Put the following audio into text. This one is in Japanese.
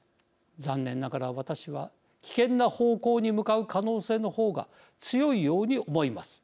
残念ながら私は危険な方向に向かう可能性の方が強いように思います。